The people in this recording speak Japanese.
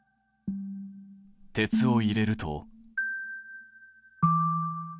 鉄を入れると。